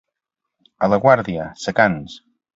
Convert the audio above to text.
A la Guàrdia, secants.